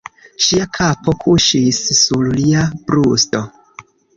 Ŝia kapo kuŝis sur lia brusto.